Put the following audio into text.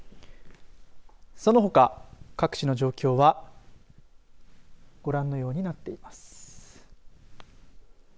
そのほか各地の状況はご覧のようになっています。